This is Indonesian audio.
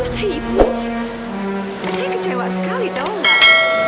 saya kecewa sekali tahu enggak